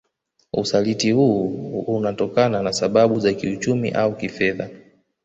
Usaliti huu hunatokana na sababu za kiuchumi au kifedha